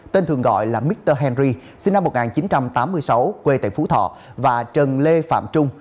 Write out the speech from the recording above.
tên thường gọi là micher henry sinh năm một nghìn chín trăm tám mươi sáu quê tại phú thọ và trần lê phạm trung